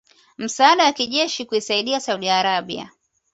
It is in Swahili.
msaada wa kijeshi kuisaidia Saudi Arabia